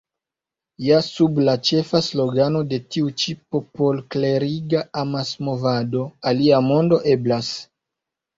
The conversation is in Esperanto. Ja sub la ĉefa slogano de tiu ĉi popolkleriga amasmovado Alia mondo eblas!